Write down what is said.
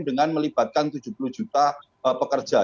dengan melibatkan tujuh puluh juta pekerja